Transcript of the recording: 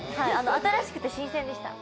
新しくて新鮮でした。